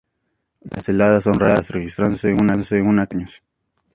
Las heladas son raras, registrándose una cada cinco años.